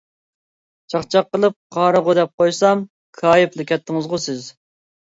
چاقچاق قىلىپ «قارىغۇ» دەپ قويسام، كايىپلا كەتتىڭىزغۇ سىز.